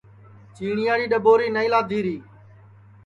چیٹِؔیاڑی ڈؔٻوری نائی لادھی ری